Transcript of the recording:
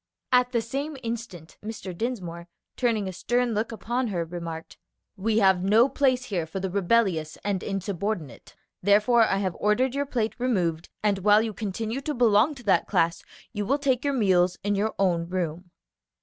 At the same instant Mr. Dinsmore, turning a stern look upon her, remarked, "We have no place here for the rebellious and insubordinate, therefore I have ordered your plate removed; and while you continue to belong to that class, you will take your meals in your own room."